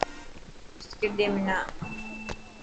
بسڪٽ ڏي حنا.